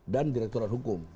dan direkturat hukum